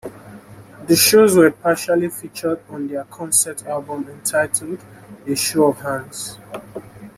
The shows were partially featured on their concert album, entitled "A Show of Hands".